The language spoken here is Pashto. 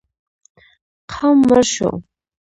قوم مړ شو.